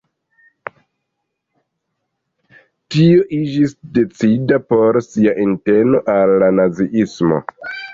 Tio iĝis decida por sia sinteno al la naziismo.